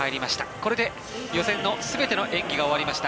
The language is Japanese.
これで予選の全ての演技が終わりました。